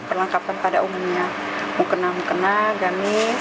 perlengkapan pada umumnya mukena mukena kami